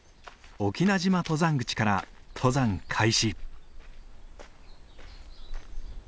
翁島登山口から登山開始。